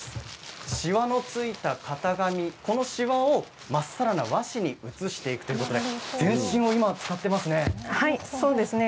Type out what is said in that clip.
しわのついた型紙そのしわを真っさらな和紙に移していくということで全身を使っていますね。